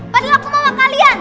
padahal aku mama kalian